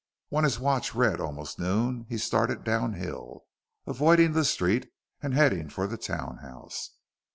When his watch read almost noon, he started downhill, avoiding the street and heading for the townhouse.